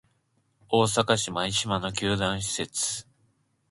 大阪市・舞洲の球団施設